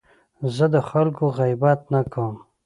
زه د خلکو غیبت نه کوم.